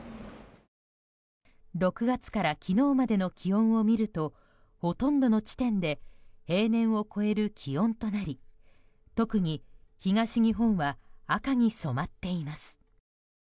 ６月から昨日までの気温を見るとほとんどの地点で平年を超える気温となり特に、東日本は赤に染まっています。